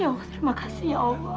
ya allah terima kasih ya allah